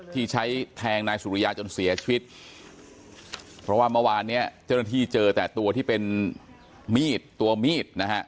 ที่ใช้แทงนายสุริยาจนเสียชีวิตเพราะว่าเมื่อวานเนี้ยเจ้าหน้าที่เจอแต่ตัวที่เป็นมีดตัวมีดนะฮะ